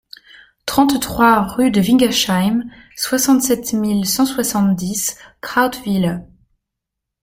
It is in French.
trente-trois rue de Wingersheim, soixante-sept mille cent soixante-dix Krautwiller